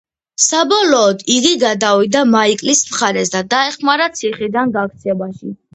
საბოლოოდ იგი გადავიდა მაიკლის მხარეს და დაეხმარა ციხიდან გაქცევაში.